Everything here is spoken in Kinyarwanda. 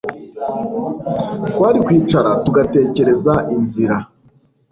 twari kwicara tugatekereza inzira